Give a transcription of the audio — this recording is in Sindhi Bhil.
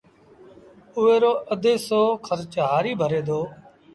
اُئي رو اڌ هسو کرچ هآريٚ ڀري دو